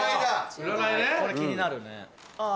・これ気になるね・あ！